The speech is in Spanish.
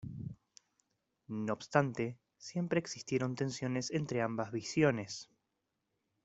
No obstante, siempre existieron tensiones entre ambas visiones.